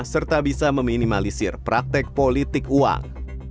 serta bisa meminimalisir praktek politik uang